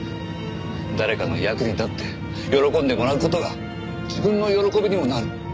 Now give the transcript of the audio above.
誰かの役に立って喜んでもらう事が自分の喜びにもなる。